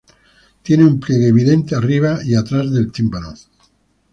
Tiene un pliegue evidente arriba y atrás de tímpano.